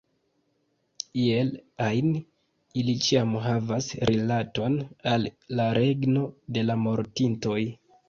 Iel ajn, ili ĉiam havas rilaton al la regno de la mortintoj.